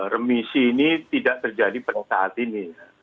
remisi ini tidak terjadi pada saat ini